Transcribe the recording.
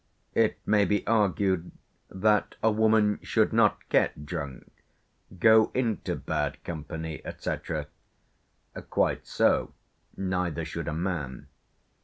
It may be argued that a woman should not get drunk, go into bad company, &c. Quite so; neither should a man.